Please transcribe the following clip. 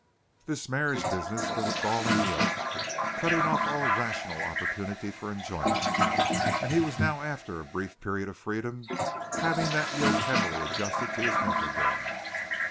This marriage business was a galling yoke, cutting off all rational opportunity for enjoyment, and he was now after a brief period of freedom having that yoke heavily adjusted to his neck again.